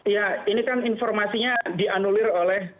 ya ini kan informasinya dianulir oleh